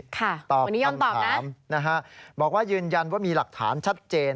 ค่ะวันนี้ยอมตอบนะตอบคำถามนะฮะบอกว่ายืนยันว่ามีหลักฐานชัดเจน